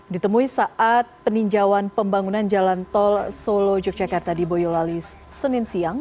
ditemui saat peninjauan pembangunan jalan tol solo yogyakarta di boyolali senin siang